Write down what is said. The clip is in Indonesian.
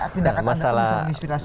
tindakan anda bisa menginspirasi kita